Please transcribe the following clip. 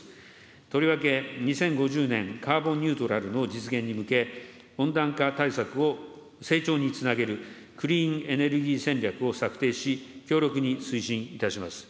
とりわけ２０５０年、カーボンニュートラルの実現に向け、温暖化対策を成長につなげるクリーンエネルギー戦略を策定し、強力に推進いたします。